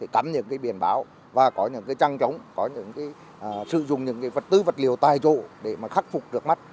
cắm những biển báo và có những trăng trống sử dụng những vật tư vật liều tài dụ để khắc phục được mắt